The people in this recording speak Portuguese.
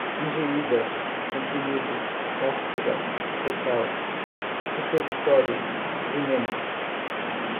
ingeridas, comprimidos, cápsulas, retal, supositórios, enemas